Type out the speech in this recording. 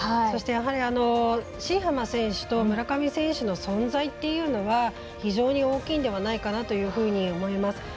そして、やはり新濱選手と村上選手の存在っていうのは非常に大きいのではないかなと思います。